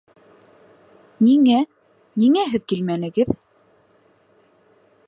Ниңә? Ниңә һеҙ килмәнегеҙ?